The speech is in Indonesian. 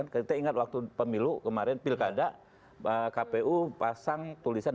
kita ingat waktu pemilu kemarin pilkada kpu pasang tulisan